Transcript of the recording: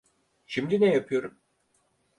Şimdi ne yapıyorum?